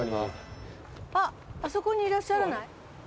あっあそこにいらっしゃらない？